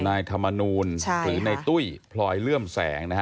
ในธรรมนุนหรือในตุ้ยพลอยเลื่อมแสง